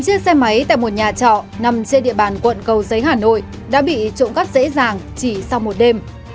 chiếc xe máy tại một nhà trọ nằm trên địa bàn quận cầu giấy hà nội đã bị trộm cắp dễ dàng chỉ sau một đêm